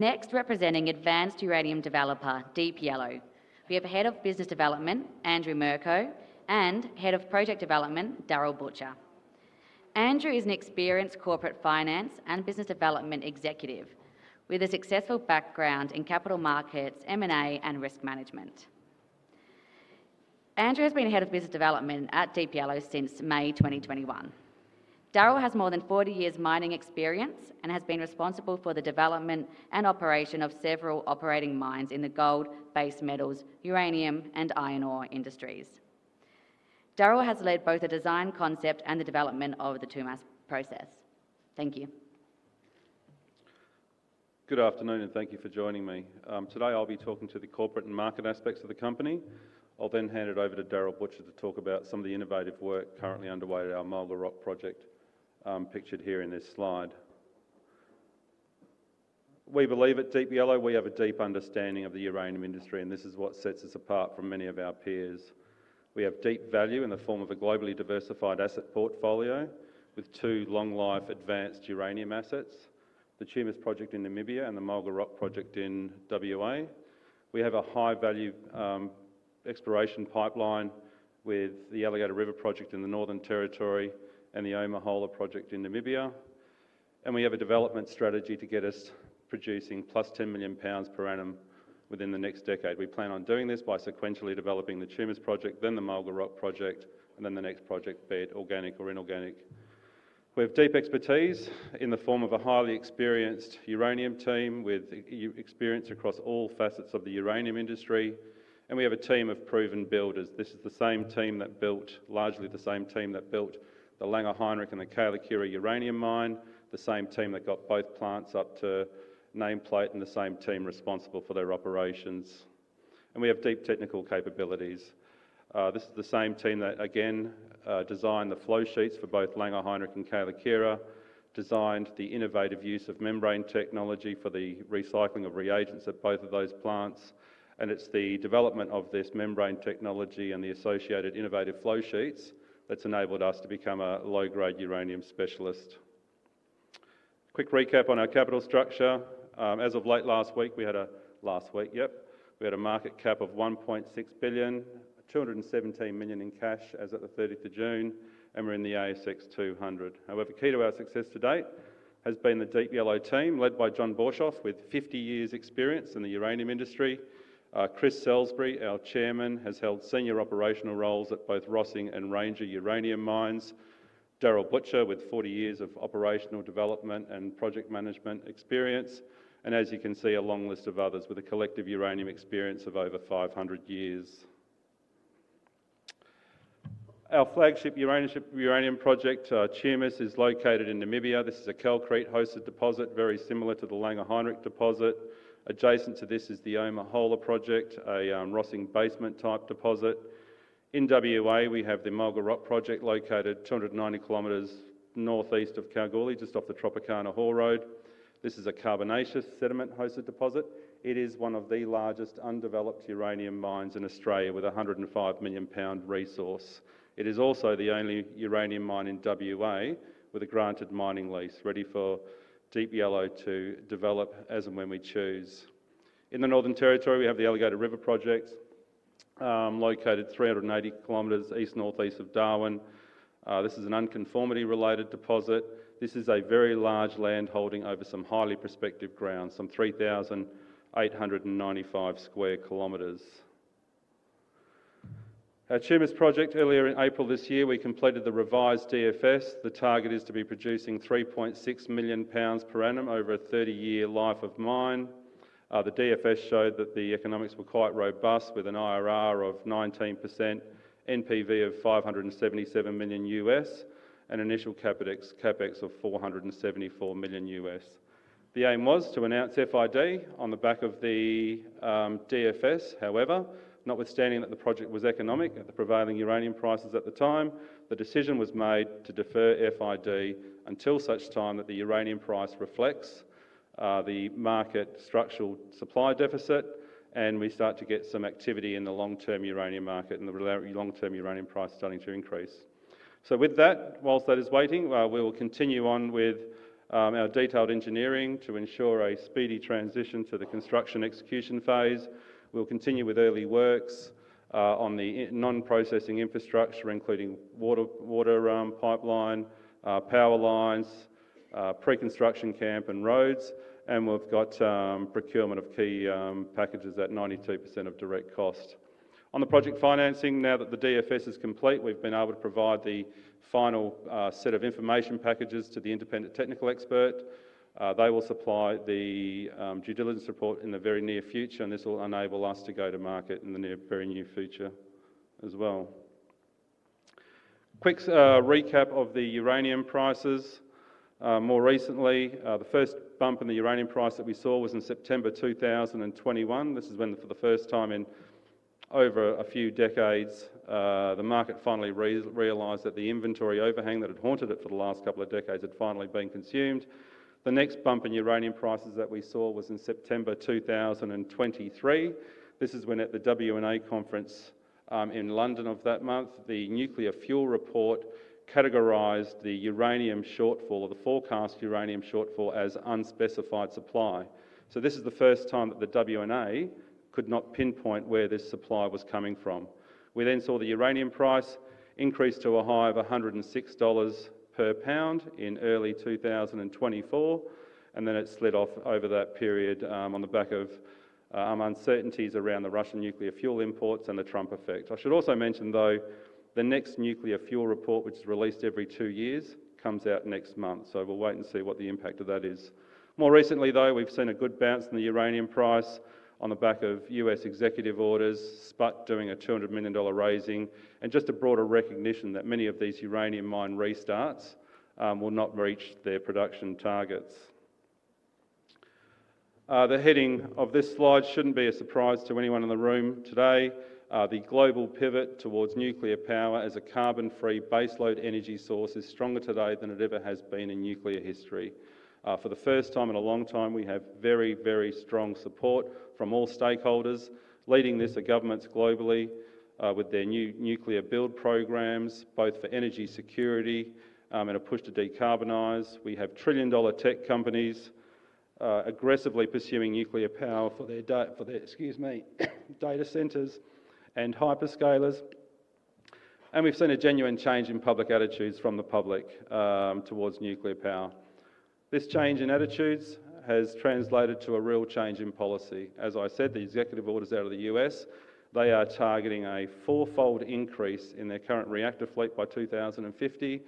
Next, representing advanced uranium developer Deep Yellow Limited, we have Head of Business Development Andrew Mirco and Head of Project Development Darryl Butcher. Andrew is an experienced Corporate Finance and Business Development Executive with a successful background in capital markets, M&A, and risk management. Andrew has been Head of Business Development at Deep Yellow Limited since May 2021. Darryl has more than 40 years' mining experience and has been responsible for the development and operation of several operating mines in the gold, base metals, uranium, and iron ore industries. Darryl has led both the design, concept, and the development of the Tumas process. Thank you. Good afternoon, and thank you for joining me. Today, I'll be talking to the corporate and market aspects of the company. I'll then hand it over to Darryl Butcher to talk about some of the innovative work currently underway at our Mulga Rock project, pictured here in this slide. We believe at Deep Yellow we have a deep understanding of the uranium industry, and this is what sets us apart from many of our peers. We have deep value in the form of a globally diversified asset portfolio with two long-life advanced uranium assets: the Tumas project in Namibia and the Mulga Rock project in Western Australia. We have a high-value exploration pipeline with the Alligator River project in the Northern Territory and the Omahola project in Namibia, and we have a development strategy to get us producing +10 million lbs per annum within the next decade. We plan on doing this by sequentially developing the Tumas project, then the Mulga Rock project, and then the next project, be it organic or inorganic. We have deep expertise in the form of a highly experienced uranium team with experience across all facets of the uranium industry, and we have a team of proven builders. This is the same team that built, largely the same team that built, the Langer Heinrich and the Kayelekera uranium mine, the same team that got both plants up to nameplate, and the same team responsible for their operations. We have deep technical capabilities. This is the same team that, again, designed the flow sheets for both Langer Heinrich and Kayelekera, designed the innovative use of membrane and resin technologies for the recycling of reagents at both of those plants, and it's the development of this membrane technology and the associated innovative flow sheets that's enabled us to become a low-grade uranium specialist. Quick recap on our capital structure: as of late last week, we had a market cap of $1.6 billion, $217 million in cash as of the 30th of June, and we're in the ASX 200. However, key to our success to date has been the Deep Yellow team led by John Borshoff with 50 years' experience in the uranium industry. Chris Salisbury, our Chairman, has held senior operational roles at both Rossing and Ranger uranium mines. Darryl Butcher, with 40 years of operational development and project management experience, and as you can see, a long list of others with a collective uranium experience of over 500 years. Our flagship uranium project, Tumas, is located in Namibia. This is a calcrete-hosted deposit, very similar to the Langer Heinrich deposit. Adjacent to this is the Omahola project, a Rossing basement-type deposit. In Western Australia, we have the Mulga Rock project located 290 km northeast of Kalgoorlie, just off the Tropicana haul road. This is a carbonaceous sediment-hosted deposit. It is one of the largest undeveloped uranium mines in Australia with a 105 million lbs resource. It is also the only uranium mine in Western Australia with a granted mining lease ready for Deep Yellow to develop as and when we choose. In the Northern Territory, we have the Alligator River project located 380 km east-northeast of Darwin. This is an unconformity-related deposit. This is a very large land holding over some highly prospective ground, some 3,895 sq. km. Our Tumas project, earlier in April this year, we completed the revised Definitive Feasibility Study. The target is to be producing 3.6 million lbs per annum over a 30-year life of mine. The Definitive Feasibility Study showed that the economics were quite robust with an IRR of 19%, NPV of $577 million US, and an initial CapEx of $474 million US. The aim was to announce Final Investment Decision on the back of the Definitive Feasibility Study. However, notwithstanding that the project was economic at the prevailing uranium prices at the time, the decision was made to defer Final Investment Decision until such time that the uranium price reflects the market structural supply deficit and we start to get some activity in the long-term uranium market and the long-term uranium price starting to increase. Whilst that is waiting, we will continue on with our detailed engineering to ensure a speedy transition to the construction execution phase. We'll continue with early works on the non-processing infrastructure, including water pipeline, power lines, pre-construction camp, and roads, and we've got procurement of key packages at 92% of direct cost. On the project financing, now that the Definitive Feasibility Study is complete, we've been able to provide the final set of information packages to the independent technical expert. They will supply the due diligence report in the very near future, and this will enable us to go to market in the near-perennial future as well. Quick recap of the uranium prices. More recently, the first bump in the uranium price that we saw was in September 2021. This has been, for the first time in over a few decades, the market finally realized that the inventory overhang that had haunted it for the last couple of decades had finally been consumed. The next bump in uranium prices that we saw was in September 2023. This is when, at the WNA conference in London of that month, the nuclear fuel report categorized the uranium shortfall or the forecast uranium shortfall as unspecified supply. This is the first time that the WNA could not pinpoint where this supply was coming from. We then saw the uranium price increase to a high of $106 per lbs in early 2024, and then it slid off over that period on the back of uncertainties around the Russian nuclear fuel imports and the Trump effect. I should also mention the next nuclear fuel report, which is released every two years, comes out next month. We'll wait and see what the impact of that is. More recently, we've seen a good bounce in the uranium price on the back of U.S. executive orders, Sprott doing a $200 million raising, and just a broader recognition that many of these uranium mine restarts will not reach their production targets. The heading of this slide shouldn't be a surprise to anyone in the room today. The global pivot towards nuclear power as a carbon-free baseload energy source is stronger today than it ever has been in nuclear history. For the first time in a long time, we have very, very strong support from all stakeholders leading this at governments globally with their new nuclear build programs, both for energy security and a push to decarbonize. We have trillion-dollar tech companies aggressively pursuing nuclear power for their data centers and hyperscalers. We've seen a genuine change in public attitudes from the public towards nuclear power. This change in attitudes has translated to a real change in policy. As I said, the executive orders out of the U.S., they are targeting a four-fold increase in their current reactor fleet by 2050.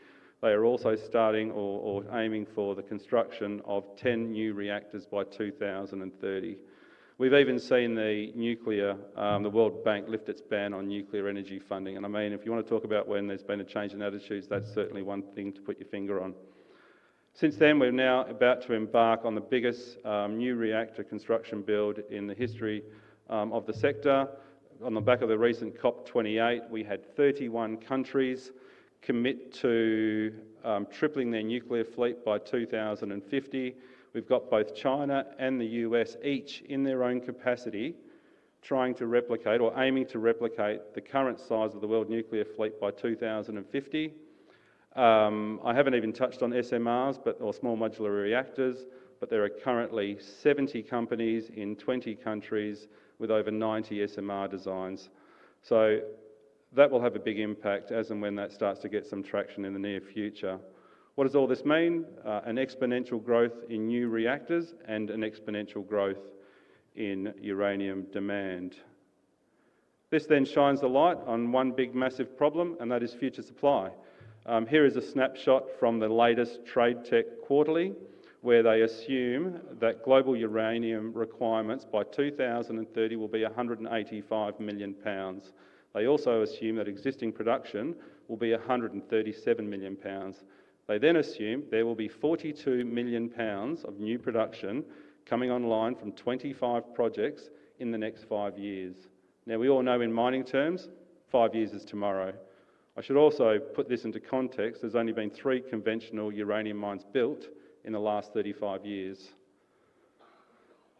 They are also starting or aiming for the construction of 10 new reactors by 2030. We've even seen the World Bank lift its ban on nuclear energy funding. If you want to talk about when there's been a change in attitudes, that's certainly one thing to put your finger on. Since then, we're now about to embark on the biggest new reactor construction build in the history of the sector. On the back of the recent COP28, we had 31 countries commit to tripling their nuclear fleet by 2050. We've got both China and the U.S. each in their own capacity trying to replicate or aiming to replicate the current size of the world nuclear fleet by 2050. I haven't even touched on SMRs or small modular reactors, but there are currently 70 companies in 20 countries with over 90 SMR designs. That will have a big impact as and when that starts to get some traction in the near future. What does all this mean? An exponential growth in new reactors and an exponential growth in uranium demand. This then shines a light on one big massive problem, and that is future supply. Here is a snapshot from the latest TradeTech Quarterly, where they assume that global uranium requirements by 2030 will be 185 million lbs. They also assume that existing production will be 137 million lbs. They then assume there will be 42 million lbs of new production coming online from 25 projects in the next five years. We all know in mining terms, five years is tomorrow. I should also put this into context; there's only been three conventional uranium mines built in the last 35 years.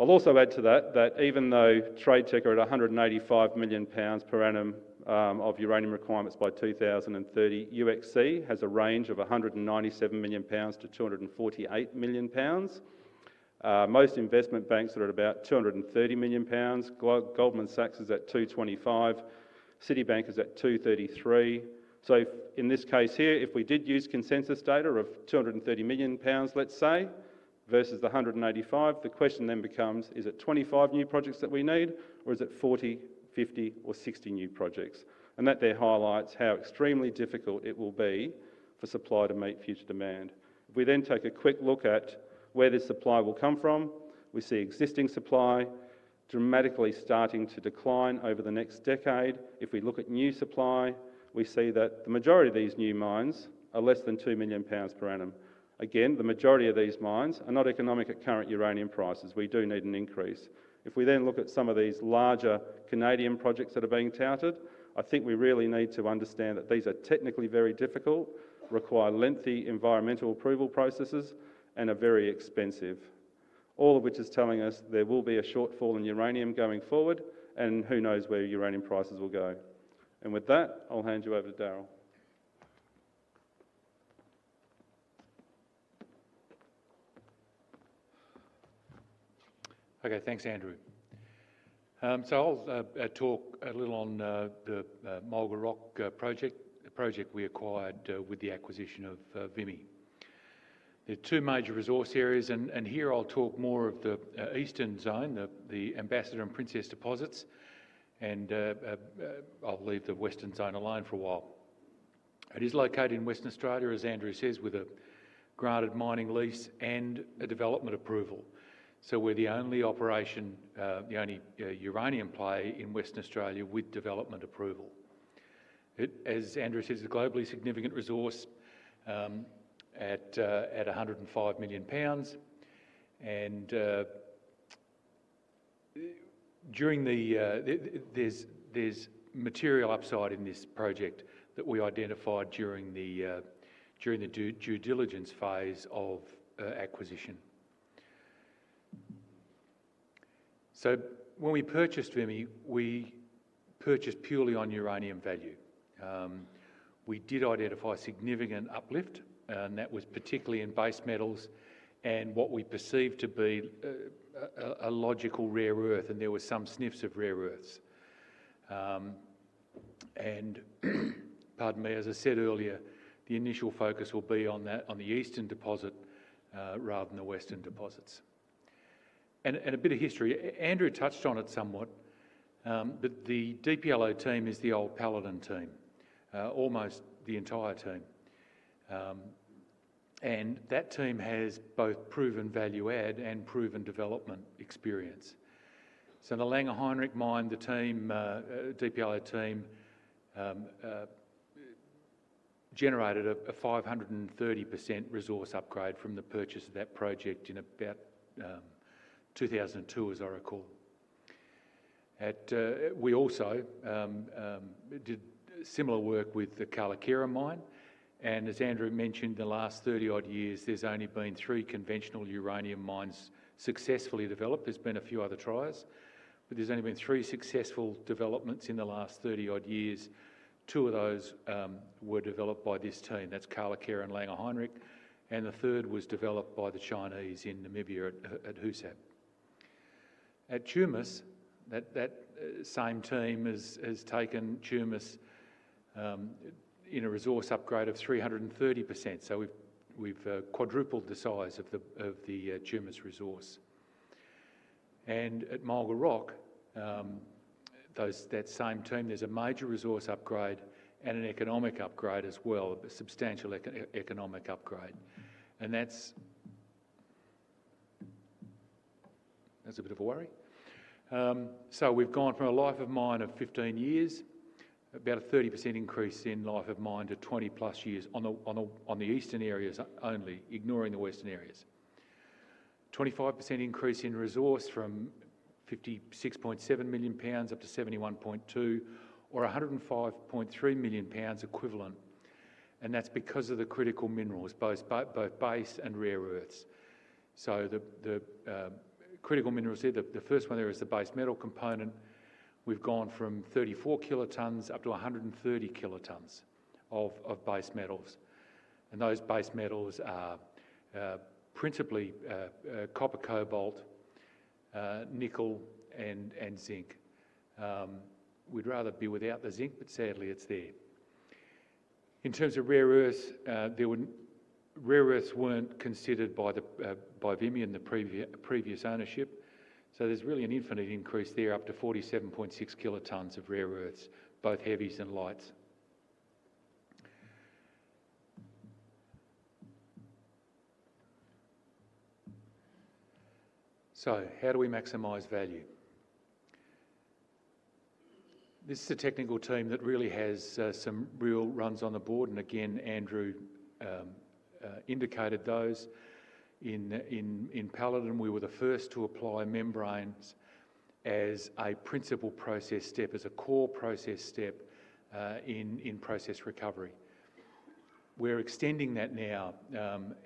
I'll also add to that that even though TradeTech are at 185 million lbs per annum of uranium requirements by 2030, UxC has a range of 197 million lbs-248 million lbs. Most investment banks are at about 230 million lbs. Goldman Sachs is at 225 million lbs. Citibank is at 233 million lbs. In this case here, if we did use consensus data of 230 million lbs, let's say, versus the 185, the question then becomes, is it 25 new projects that we need, or is it 40, 50, or 60 new projects? That there highlights how extremely difficult it will be for supply to meet future demand. If we then take a quick look at where this supply will come from, we see existing supply dramatically starting to decline over the next decade. If we look at new supply, we see that the majority of these new mines are less than 2 million lbs per annum. Again, the majority of these mines are not economic at current uranium prices. We do need an increase. If we then look at some of these larger Canadian projects that are being touted, I think we really need to understand that these are technically very difficult, require lengthy environmental approval processes, and are very expensive, all of which is telling us there will be a shortfall in uranium going forward, and who knows where uranium prices will go. With that, I'll hand you over to Darryl. Okay, thanks, Andrew. I'll talk a little on the Mulga Rock project, the project we acquired with the acquisition of Vimy. There are two major resource areas, and here I'll talk more of the eastern zone, the Ambassador and Princess deposits, and I'll leave the western zone alone for a while. It is located in Western Australia, as Andrew says, with a granted mining lease and a development approval. We're the only operation, the only uranium play in Western Australia with development approval. As Andrew says, it's a globally significant resource at 105 million lbs, and there's material upside in this project that we identified during the due diligence phase of acquisition. When we purchased Vimy, we purchased purely on uranium value. We did identify significant uplift, and that was particularly in base metals and what we perceived to be a logical rare earth, and there were some sniffs of rare earths. As I said earlier, the initial focus will be on the eastern deposit rather than the western deposits. A bit of history, Andrew touched on it somewhat, but the Deep Yellow team is the old Paladin team, almost the entire team. That team has both proven value-add and proven development experience. In the Langer Heinrich uranium mine, the Deep Yellow team generated a 530% resource upgrade from the purchase of that project in about 2002, as I recall. We also did similar work with the Kayelekera uranium mine, and as Andrew mentioned, the last 30-odd years, there's only been three conventional uranium mines successfully developed. There's been a few other trials, but there's only been three successful developments in the last 30-odd years. Two of those were developed by this team. That's Kayelekera and Langer Heinrich, and the third was developed by the Chinese in Namibia at Husab. At Tumas, that same team has taken Tumas in a resource upgrade of 330%. We've quadrupled the size of the Tumas resource. At Mulga Rock, that same team, there's a major resource upgrade and an economic upgrade as well, a substantial economic upgrade. That's a bit of a worry. We've gone from a life of mine of 15 years, about a 30% increase in life of mine to 20+years on the eastern areas only, ignoring the western areas. 25% increase in resource from 56.7 million lbs up to 71.2 lbs or 105.3 million lbs equivalent, and that's because of the critical minerals, both base and rare earths. The critical minerals here, the first one there is the base metal component. We've gone from 34 kt up to 130 kt of base metals, and those base metals are principally copper, cobalt, nickel, and zinc. We'd rather be without the zinc, but sadly, it's there. In terms of rare earths, rare earths weren't considered by Vimy in the previous ownership. There's really an infinite increase there up to 47.6 kt of rare earths, both heavies and lights. How do we maximize value? This is a technical team that really has some real runs on the board, and again, Andrew indicated those. In Paladin Energy, we were the first to apply membrane and resin technologies as a principal process step, as a core process step in process recovery. We're extending that now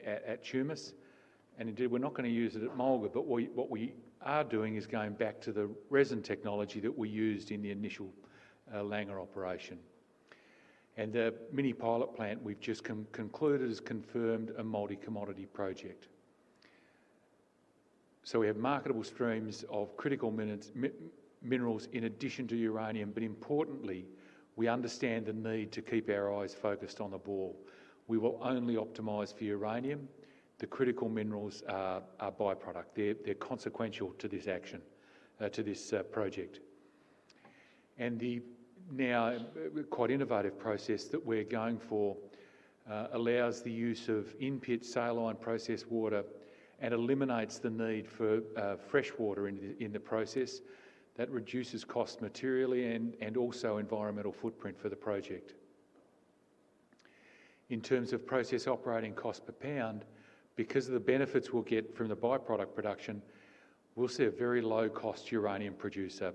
at Tumas, and indeed, we're not going to use it at Mulga Rock, but what we are doing is going back to the resin technology that we used in the initial Langer Heinrich operation. The mini pilot plant we've just concluded has confirmed a multi-commodity project. We have marketable streams of critical minerals in addition to uranium, but importantly, we understand the need to keep our eyes focused on the ball. We will only optimize for uranium. The critical minerals are byproduct. They're consequential to this action, to this project. The now quite innovative process that we're going for allows the use of in-pit saline processed water and eliminates the need for fresh water in the process. That reduces costs materially and also environmental footprint for the project. In terms of process operating cost per pound, because of the benefits we'll get from the byproduct production, we'll see a very low-cost uranium producer.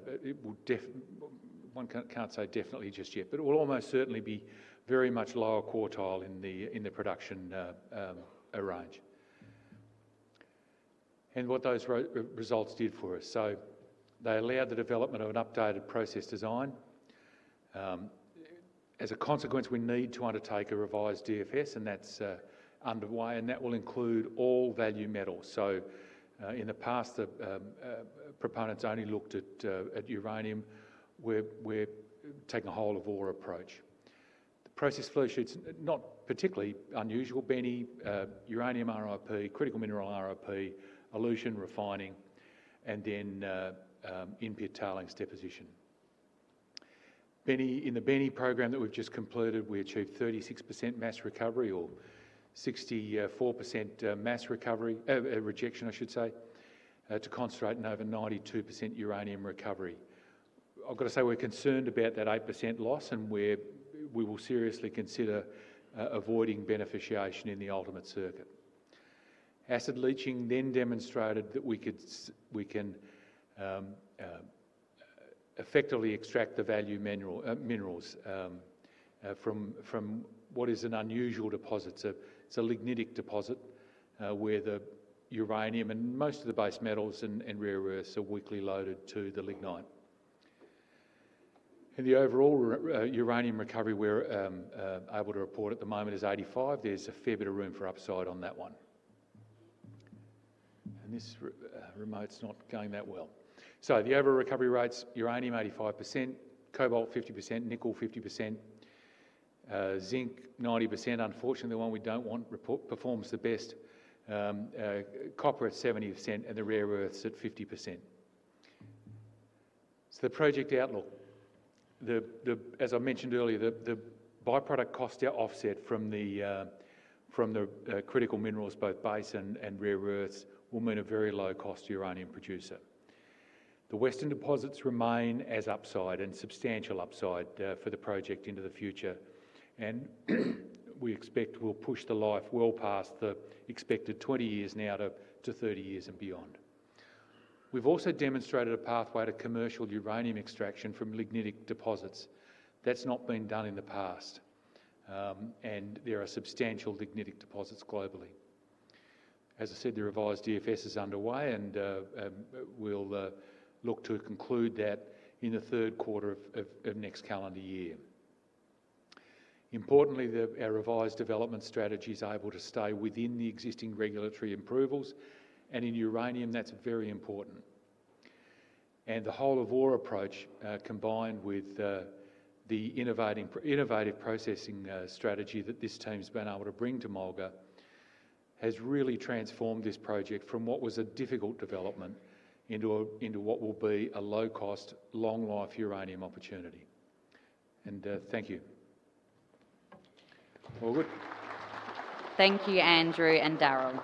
One can't say definitely just yet, but it will almost certainly be very much lower quartile in the production range. What those results did for us, they allowed the development of an updated process design. As a consequence, we need to undertake a revised Definitive Feasibility Study, and that will include all value metals. In the past, the proponents only looked at uranium. We're taking a whole-of-ore approach. The process flow sheet's not particularly unusual. Beneficiation, uranium RIP, critical mineral RIP, elution refining, and then in-pit tailings deposition. In the beneficiation program that we've just completed, we achieved 36% mass recovery or 64% mass rejection, I should say, to concentrate and over 92% uranium recovery. I've got to say we're concerned about that 8% loss, and we will seriously consider avoiding beneficiation in the ultimate circuit. Acid leaching then demonstrated that we can effectively extract the value minerals from what is an unusual deposit. It's a lignitic deposit where the uranium and most of the base metals and rare earths are weakly loaded to the lignite. The overall uranium recovery we're able to report at the moment is 85%. There's a fair bit of room for upside on that one. This remote's not going that well. The overall recovery rates: uranium 85%, cobalt 50%, nickel 50%, zinc 90%. Unfortunately, the one we don't want performs the best. Copper at 70% and the rare earths at 50%. The project outlook, as I mentioned earlier, the byproduct costs are offset from the critical minerals, both base and rare earths, will mean a very low-cost uranium producer. The western deposits remain as upside and substantial upside for the project into the future, and we expect we'll push the life well past the expected 20 years now to 30 years and beyond. We've also demonstrated a pathway to commercial uranium extraction from lignitic deposits. That's not been done in the past, and there are substantial lignitic deposits globally. As I said, the revised Definitive Feasibility Study is underway, and we'll look to conclude that in the third quarter of next calendar year. Importantly, our revised development strategy is able to stay within the existing regulatory approvals, and in uranium, that's very important. The whole-of-ore approach, combined with the innovative processing strategy that this team's been able to bring to Mulga Rock, has really transformed this project from what was a difficult development into what will be a low-cost, long-life uranium opportunity. Thank you. Thank you, Andrew and Darryl.